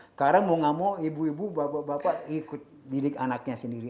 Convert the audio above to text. sekarang mau gak mau ibu ibu bapak bapak ikut bidik anaknya sendiri